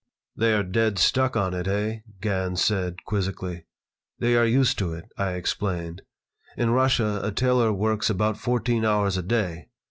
"They are dead stuck on it, hey?" Gans said, quizzically. "They are used to it," I explained. "In Russia a tailor works about fourteen hours a day.